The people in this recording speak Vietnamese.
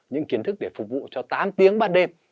những kiến thức để phục vụ cho tám tiếng ban đêm